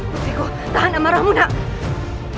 putriku tahan amarahmu nak